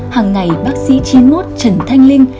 hằng ngày bác sĩ chín mươi một trần thanh linh